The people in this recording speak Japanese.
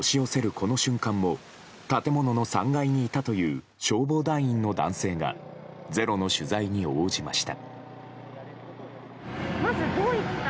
この瞬間も建物の３階にいたという消防団員の男性が「ｚｅｒｏ」の取材に応じました。